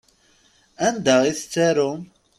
Anda i tettarum?